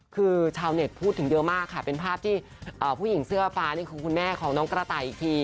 คือชาวเน็ตพูดถึงเยอะมากค่ะเป็นภาพที่ผู้หญิงเสื้อฟ้านี่คือคุณแม่ของน้องกระต่ายอีกที